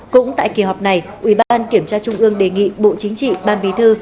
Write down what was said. cũng tại kỳ họp này ủy ban kiểm tra trung ương đề nghị bộ chính trị ban bí thư